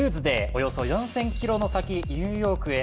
およそ４０００キロ先のニューヨークへ。